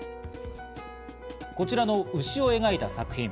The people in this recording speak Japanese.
こちらの牛を描いた作品。